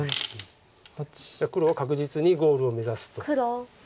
じゃあ黒は確実にゴールを目指すと。